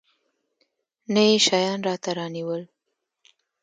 نه يې شيان راته رانيول.